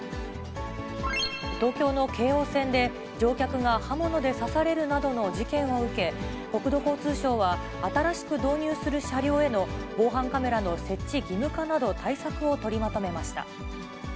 東京の京王線で、乗客が刃物で刺されるなどの事件を受け、国土交通省は新しく導入する車両への防犯カメラの設置義務化など、対策を取りまとめました。